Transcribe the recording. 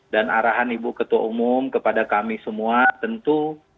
dan arahan ibu ketua umum kepada kami semua tentu